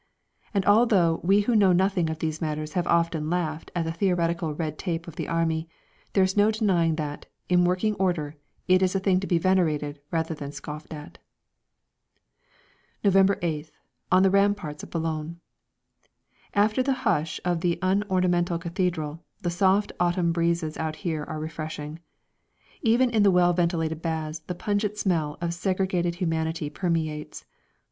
And although we who know nothing of these matters have often laughed at the theoretical red tape of the Army, there is no denying that, in working order, it is a thing to be venerated rather than scoffed at. November 8th, On the Ramparts of Boulogne. After the hush of the unornamental cathedral the soft autumn breezes out here are refreshing. Even in the well ventilated baths the pungent smell of segregated humanity permeates.